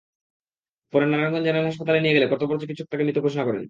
পরে নারায়ণগঞ্জ জেনারেল হাসপাতালে নিয়ে গেলে কর্তব্যরত চিকিৎসক তাকে মৃত ঘোষণা করেন।